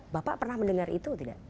bapak pernah mendengar itu tidak